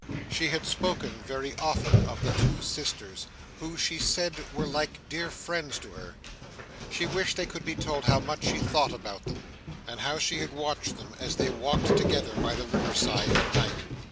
She had spoken very often of the two sisters, who, she said, were like dear friends to her. She wished they could be told how much she thought about them, and how she had watched them as they walked together, by the river side at night.